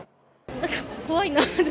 なんか怖いなって。